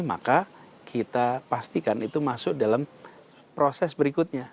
maka kita pastikan itu masuk dalam proses berikutnya